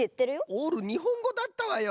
オールにほんごだったわよ